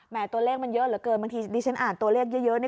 ตัวเลขมันเยอะเหลือเกินบางทีดิฉันอ่านตัวเลขเยอะ